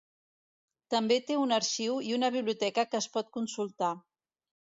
També té un arxiu i una biblioteca que es pot consultar.